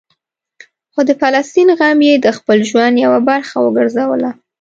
خو د فلسطین غم یې د خپل ژوند یوه برخه وګرځوله.